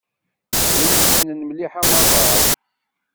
D win yessnen mliḥ amaḍal.